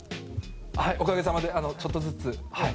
はい、おかげさまでちょっとずつ。